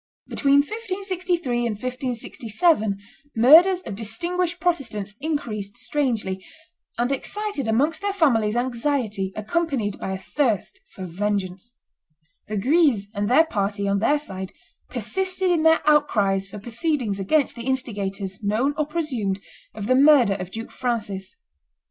Between 1563 and 1567 murders of distinguished Protestants increased strangely, and excited amongst their families anxiety accompanied by a thirst for vengeance. The Guises and their party, on their side, persisted in their outcries for proceedings against the instigators, known or presumed, of the murder of Duke Francis.